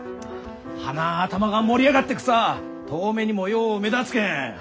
花ん頭が盛り上がってくさ遠目にもよう目立つけん。